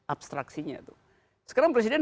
abstraksinya sekarang presiden